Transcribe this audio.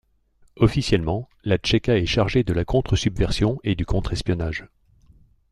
Officiellement, la Tchéka est chargée de la contre-subversion et du contre-espionnage.